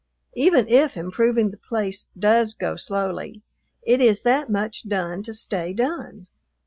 Even if improving the place does go slowly, it is that much done to stay done.